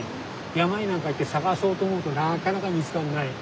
山になんか行って探そうと思うとなかなか見つからない。